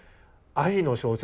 「愛の小説」？